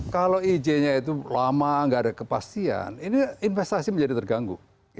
kalau izinnya itu lama nggak ada kepastian ini investasi menjadi terganggu